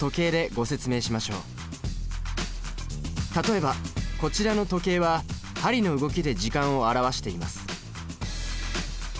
例えばこちらの時計は針の動きで時間を表しています